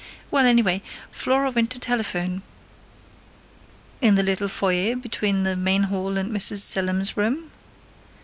Well, anyway, Flora went to telephone " "In the little foyer between the main hall and Mrs. Selim's room?"